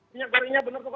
minyak gorengnya bener kok